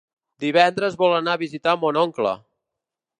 Divendres vol anar a visitar mon oncle.